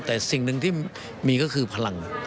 แต่สิ่งหนึ่งที่มีก็คือพลัง